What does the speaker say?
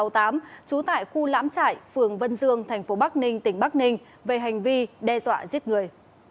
trú tại khu lãm trải phường vân dương tp bắc ninh tỉnh bắc ninh về hành vi đe dọa giết người